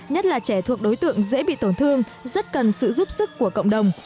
nhất là trẻ thuộc đối tượng dễ bị tổn thương rất cần sự giúp sức của cộng đồng